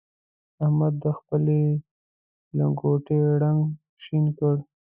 احمد د خپلې لنګوټې رنګ شين کړ.